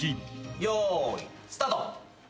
よいスタート。